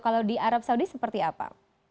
kalau di arab saudi seperti apa